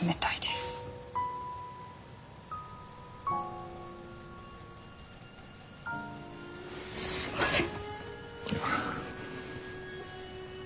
すいません。